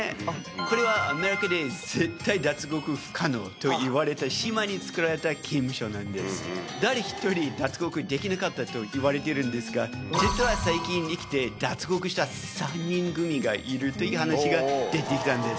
これはアメリカで絶対脱獄不可能といわれた島に造られた刑務所なんです。といわれてるんですが実は最近生きて脱獄した３人組がいるという話が出てきたんです。